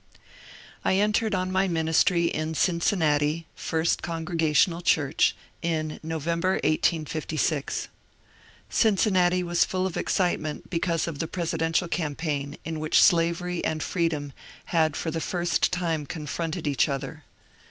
I ENTERED on my ministry in Cincinnati (First Congrega tional Church) in November, 1856. Cincinnati was full of excitement because of the presidential campaign in which slav ery and freedom had for the first. time confronted each other.